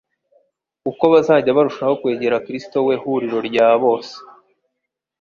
uko bazajya barushaho kwegera Kristo we huriro rya bose.